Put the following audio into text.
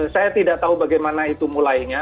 saya tidak tahu bagaimana itu mulainya